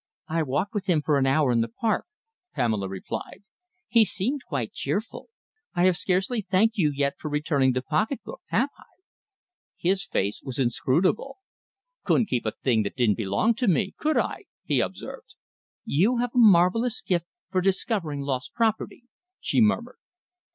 "I walked with him for an hour in the Park," Pamela replied. "He seemed quite cheerful. I have scarcely thanked you yet for returning the pocketbook, have I?" His face was inscrutable. "Couldn't keep a thing that didn't belong to me, could I?" he observed. "You have a marvellous gift for discovering lost property," she murmured.